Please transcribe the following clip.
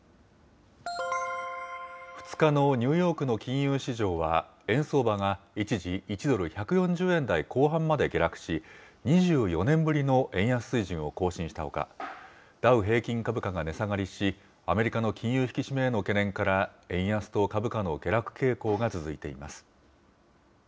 ２日のニューヨークの金融市場は、円相場が一時、１ドル１４０円台後半まで下落し、２４年ぶりの円安水準を更新したほか、ダウ平均株価が値下がりし、アメリカの金融引き締めへの懸念から、円安と株価の下落傾向が続いています。